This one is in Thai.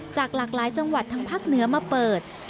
จากหลากหลายจังหวัดทางภาคเหนือมาเปิด